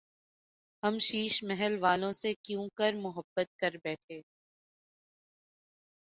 ہم شیش محل والوں سے کیونکر محبت کر بیتھے